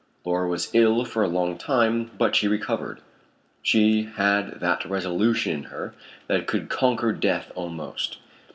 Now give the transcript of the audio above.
Laura was ill for a long time, but she recovered; she had that resolution in her that could conquer death almost.